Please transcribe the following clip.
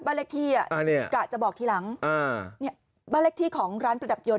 เบียนเลขที่ของร้านประดับยนต์